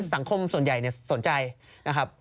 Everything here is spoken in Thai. สังคมส่วนใหญ่สนใจนะครับ